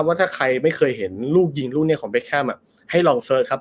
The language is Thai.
วิมเบอร์ดัน๑๙๙๖นั่นแหละครับ